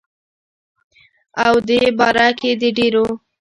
او دې باره کښې دَ ډيرو